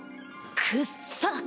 くっさ！